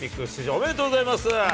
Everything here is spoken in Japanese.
おめでとうございます。